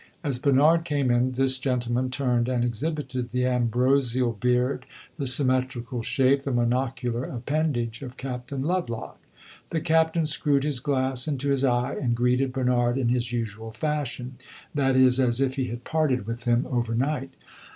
As Bernard came in, this gentleman turned and exhibited the ambrosial beard, the symmetrical shape, the monocular appendage, of Captain Lovelock. The Captain screwed his glass into his eye, and greeted Bernard in his usual fashion that is, as if he had parted with him overnight.